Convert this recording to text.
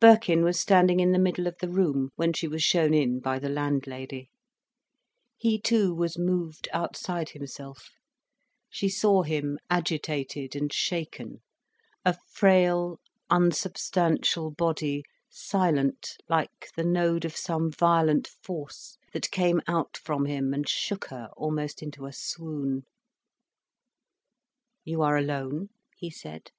Birkin was standing in the middle of the room, when she was shown in by the landlady. He too was moved outside himself. She saw him agitated and shaken, a frail, unsubstantial body silent like the node of some violent force, that came out from him and shook her almost into a swoon. "You are alone?" he said.